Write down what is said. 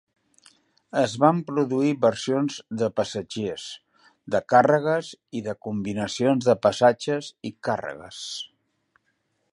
Es van produir versions de passatgers, de càrregues i de combinacions de passatges i càrregues.